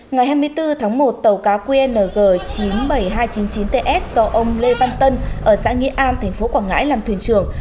ngày hai mươi bốn tháng một tàu cá qng chín mươi bảy nghìn hai trăm chín mươi chín ts do ông lê văn tân ở xã nghĩa an tp quảng ngãi làm thuyền trưởng